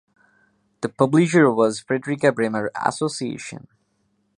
The publisher was Fredrika Bremer Association.